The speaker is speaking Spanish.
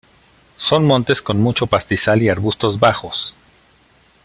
Son montes con mucho pastizal y arbustos bajos.